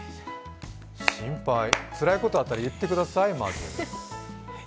心配つらいことあったら、言ってください。